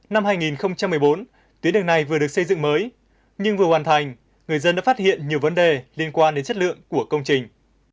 năm hai nghìn một mươi bốn tuyến đường này vừa được xây dựng mới nhưng vừa hoàn thành người dân đã phát hiện nhiều vấn đề liên quan đến chất lượng của công trình